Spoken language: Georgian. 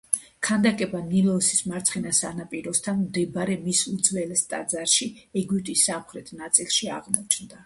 ქანდაკება ნილოსის მარცხენა სანაპიროსთან მდებარე მის უძველეს ტაძარში, ეგვიპტის სამხრეთ ნაწილში აღმოჩნდა.